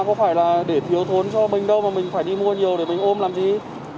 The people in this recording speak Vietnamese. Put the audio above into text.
có phải là để thiếu thốn cho mình đâu và mình phải đi mua nhiều để mình ôm làm gì